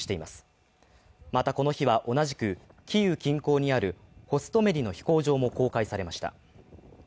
またこの日は、同じくキーウ近郊にあるホストメリの飛行場も公開されました。